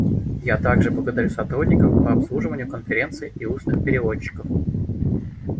Я также благодарю сотрудников по обслуживанию конференций и устных переводчиков.